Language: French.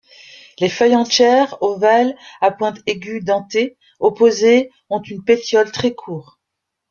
Les feuilles entières, ovales à pointe aigüe, dentées, opposées ont un pétiole très court.